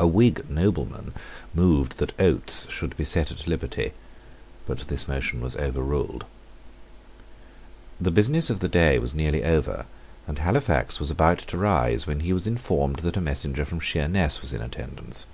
A Whig nobleman moved that Oates should be set at liberty: but this motion was overruled. The business of the day was nearly over, and Halifax was about to rise, when he was informed that a messenger from Sheerness was in attendance.